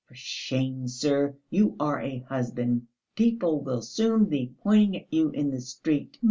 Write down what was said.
For shame, sir, you are a husband! People will soon be pointing at you in the street."